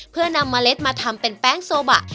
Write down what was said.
เพื่อนำเมล็ดมาทำเป็นแป้งโซบะ